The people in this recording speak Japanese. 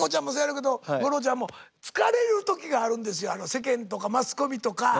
世間とかマスコミとか。